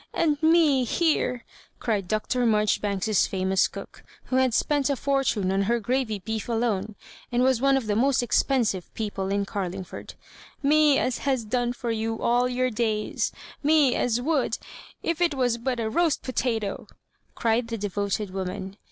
"And me here!" cried Dr. Marjoribanks's famous cook, who had spent a fortune on her gravy beef alone, and was one of the most expen sive people in Carlingford —" me as has done for you all your days I me as would — if it was but a roast potato 1'* cried the devoted woman.